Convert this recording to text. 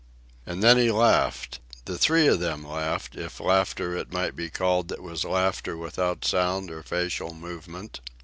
And then he laughed—the three of them laughed, if laughter it might be called that was laughter without sound or facial movement.